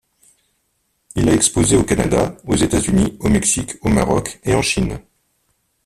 Il a exposé au Canada, aux États-Unis, au Mexique, au Maroc et en Chine.